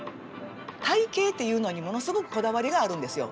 体形っていうのにものすごくこだわりがあるんですよ。